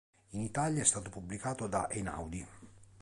In Italia è stato pubblicato da Einaudi.